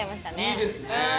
いいですね。